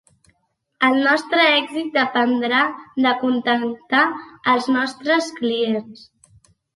El nostre èxit dependrà d'acontentar els nostres clients.